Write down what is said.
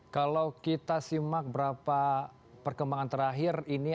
kalau kita simak berapa perkembangan terakhir ini